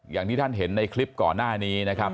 อย่างที่ท่านเห็นในคลิปก่อนหน้านี้นะครับ